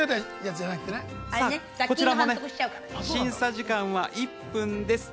こちらも審査時間は１分です。